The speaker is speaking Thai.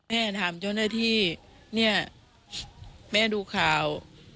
แม่ถามเจ้าหน้าที่เนี่ยแม่ดูข่าว